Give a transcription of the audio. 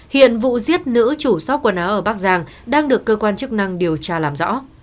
hiện vụ giết nữ chủ xót quần áo ở bắc giang đang được cơ quan chức năng điều tra làm rõ